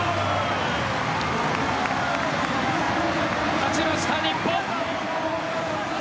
勝ちました、日本。